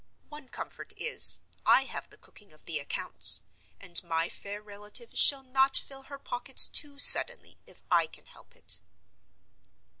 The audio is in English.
One comfort is, I have the cooking of the accounts; and my fair relative shall not fill her pockets too suddenly if I can help it.